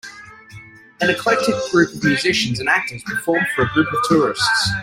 An eclectic group of musicians and actors perform for a group of tourists.